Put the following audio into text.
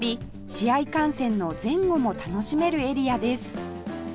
試合観戦の前後も楽しめるエリアです